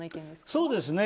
そうですね。